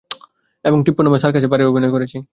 এবং টিপ্পো নামে, সার্কাসে ভাড়ের অভিনয় করেছি।